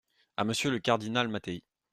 À Monsieur le cardinal Mattei.